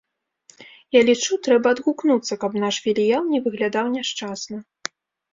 Я лічу, трэба адгукнуцца, каб наш філіял не выглядаў няшчасна.